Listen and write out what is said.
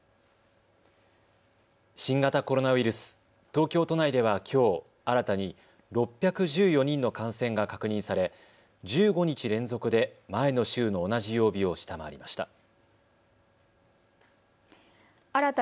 新型コロナウイルス、東京都内ではきょう新たに６１４人の感染が確認され１５日連続で前の週の同じ曜日を下回りました。